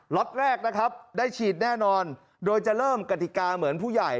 ็อตแรกนะครับได้ฉีดแน่นอนโดยจะเริ่มกติกาเหมือนผู้ใหญ่